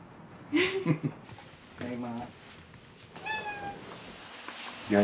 ただいま。